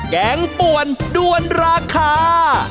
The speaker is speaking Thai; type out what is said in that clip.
แกงป่วนด้วนราคา